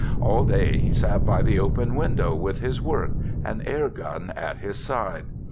All day he sat by the open window with his work, an air gun at his side.